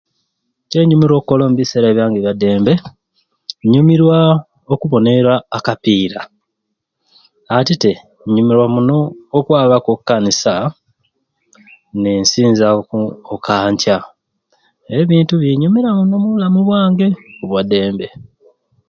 Kyenyumirwa okukola omubiseera byange ebyadembe nyumirwa okuboneera akapiira ate'tte nyumirwa muno okwabaku okukanisa ninsinzaku Okanca ebyo ebintu binyumira muno omubulamu bwange obwadembe.